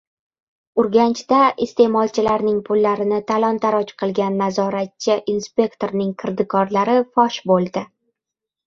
Urganchda iste’molchilarning pullarini talon-toroj qilgan nazoratchi-inspektorning kirdikorlari fosh bo‘ldi